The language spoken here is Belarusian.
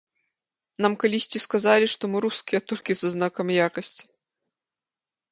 Нам калісьці сказалі, што мы рускія, толькі са знакам якасці.